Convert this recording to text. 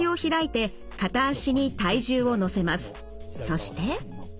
そして。